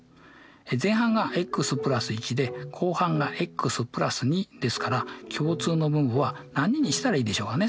前半がｘ＋１で後半がｘ＋２ですから共通の分母は何にしたらいいでしょうかね？